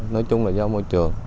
nói chung là do môi trường